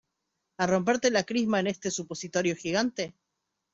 a romperte la crisma en este supositorio gigante?